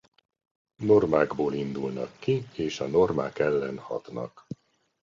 Normákból indulnak ki és a normák ellen hatnak.